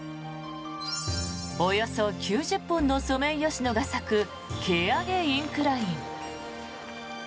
およそ９０本のソメイヨシノが咲く蹴上インクライン。